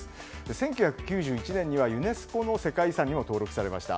１９９１年にはユネスコの世界遺産にも登録されました。